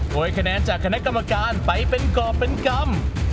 โดยคะแนนจากคณะกรรมการไปเป็นกรอบเป็นกรรม